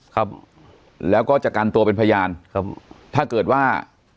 ครับแล้วก็จะกันตัวเป็นพยานครับถ้าเกิดว่า